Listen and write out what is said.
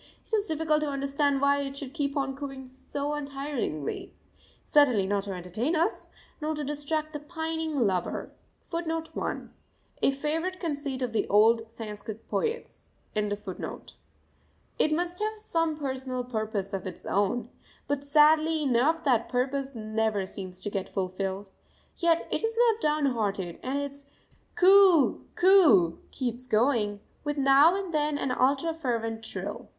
It is difficult to understand why it should keep on cooing so untiringly. Certainly not to entertain us, nor to distract the pining lover it must have some personal purpose of its own. But, sadly enough, that purpose never seems to get fulfilled. Yet it is not down hearted, and its Coo oo! Coo oo! keeps going, with now and then an ultra fervent trill.